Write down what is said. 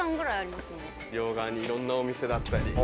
両側にいろんなお店だったり。